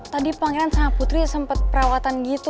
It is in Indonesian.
tadi pangeran sama putri sempat perawatan gitu